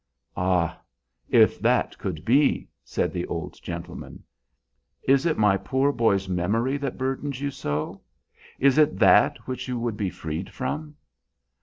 "Ah, if that could be!" said the old gentleman. "Is it my poor boy's memory that burdens you so? Is it that which you would be freed from?"